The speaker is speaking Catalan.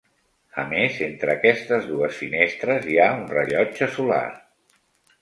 A més entre aquestes dues finestres hi ha un rellotge solar.